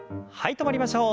止まりましょう。